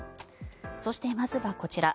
そして、まずはこちら。